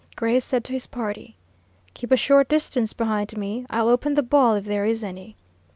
Gray said to his party, "Keep a short distance behind me. I'll open the ball, if there is any."